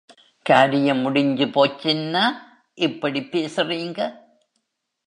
காரியம் முடிஞ்சு போச்சின்னா இப்படிப் பேசுறீங்க?